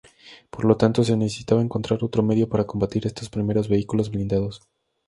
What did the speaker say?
Por lo tanto, se necesitaba encontrar otro medio para combatir estos primeros vehículos blindados.